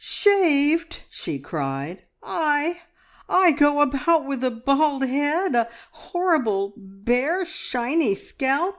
"Shaved!" she cried. "I? I go about with a bald head a horrible, bare, shiny scalp!